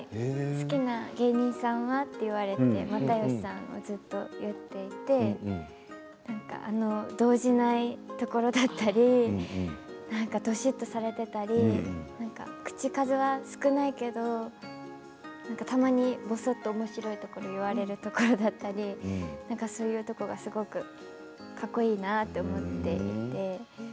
好きな芸人さんは？って言われて又吉さんを挙げていて動じないところだったりどしっとされていたり口かずは少ないけれど、たまにぼそっとおもしろいことを言われるところだったりそういうところはすごくかっこいいなって思っていて。